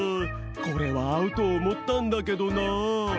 これはあうとおもったんだけどな。